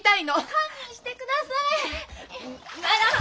堪忍してください！ならん！